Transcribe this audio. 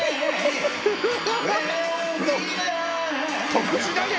特殊だね！